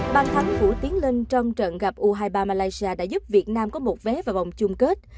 bàn thắng của tiến linh trong trận gặp u hai mươi ba malaysia đã giúp việt nam có một vé vào vòng chung kết